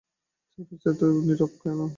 চারপাশ এতো নিরব হয়ে গেল কেন?